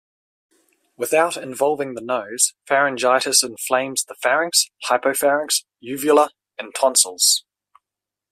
Without involving the nose, pharyngitis inflames the pharynx, hypopharynx, uvula, and tonsils.